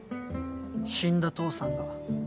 死んだ父さんが。